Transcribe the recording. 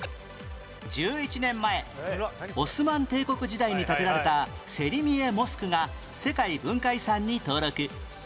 １１年前オスマン帝国時代に建てられたセリミエ・モスクが世界文化遺産に登録